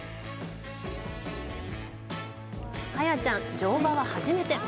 カヤちゃん、乗馬は初めて。